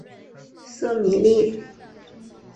瑟米利。